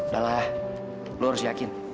dahlah lu harus yakin